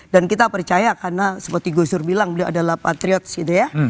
dan kita percaya karena seperti gusur bilang beliau adalah patriot gitu ya